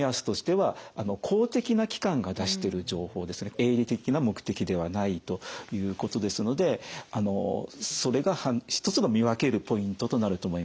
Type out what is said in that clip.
営利的な目的ではないということですのでそれが一つの見分けるポイントとなると思います。